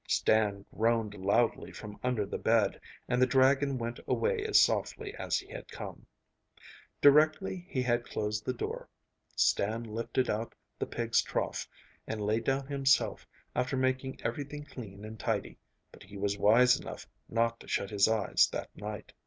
Stan groaned loudly from under the bed, and the dragon went away as softly as he had come. Directly he had closed the door, Stan lifted out the pigs' trough, and lay down himself, after making everything clean and tidy, but he was wise enough not to shut his eyes that night.